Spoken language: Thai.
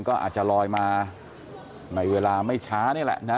ก็อาจจะลอยมาในเวลาไม่ช้านี่แหละนะ